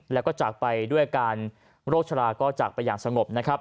และก็จักไปด้วยการโรคชะลาก็จักไปอย่างสงบ